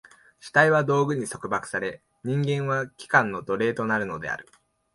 主体は道具に束縛され、人間は器官の奴隷となるのである。